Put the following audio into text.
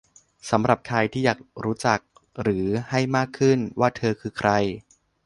สำหรับใครที่อยากรู้จัก หรือ ให้มากขึ้น ว่าเธอคือใคร